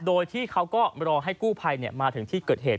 โดยที่เขาก็รอให้กู้ภัยมาถึงที่เกิดเหตุ